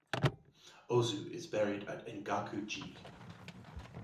Ozu is buried at Engaku-ji.